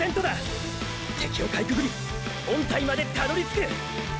敵をかいくぐり本体までたどりつく！！！